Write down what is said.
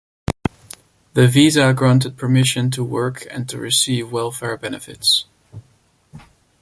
The visa granted permission to work and to receive welfare benefits.